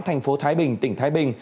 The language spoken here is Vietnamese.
tp thái bình tỉnh thái bình